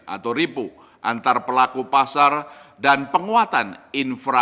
atau ripu antar pelaku pasar dan penguatan infrastruktur